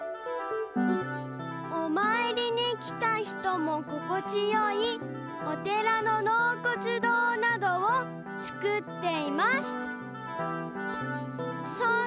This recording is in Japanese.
おまいりに来た人もここちよいお寺の納骨堂などをつくっています。